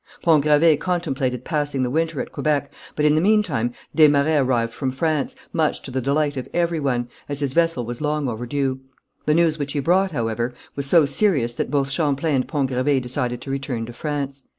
Pont Gravé contemplated passing the winter at Quebec, but in the meantime des Marets arrived from France, much to the delight of every one, as his vessel was long overdue. The news which he brought, however, was so serious that both Champlain and Pont Gravé decided to return to France.